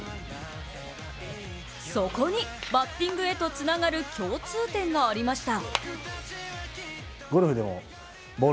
そこにバッティングへとつながる共通点がありました。